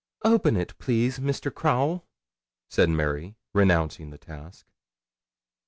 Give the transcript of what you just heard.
'Open it, please, Mr. Crowle,' said Mary, renouncing the task.